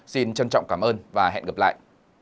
xin trân trọng cảm ơn và hẹn gặp lại